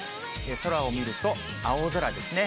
空を見ると青空ですね。